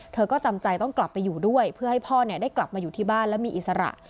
เธอก็จำใจต้องกลับไปอยู่ด้วยเพื่อให้พ่อได้กลับมาอยู่ที่บ้านและมีอิสระ